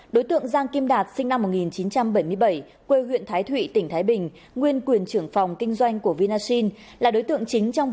đối tượng giang kim đạt sinh năm một nghìn chín trăm bảy mươi bảy quê huyện thái thụy tỉnh thái bình nguyên quyền trưởng phòng kinh doanh của vinashin